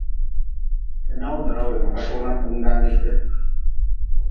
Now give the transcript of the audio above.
Ti nawdra weem kasug na tung da nii ti.